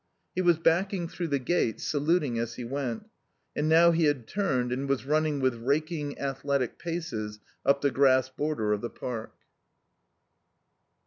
He was backing through the gate, saluting as he went. And now he had turned and was running with raking, athletic paces up the grass border of the park.